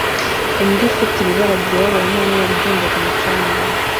Imbwa ifite ibibara byirabura n'umweru igenda ku mucanga